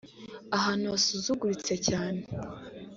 ahantu hasuzuguritse cyane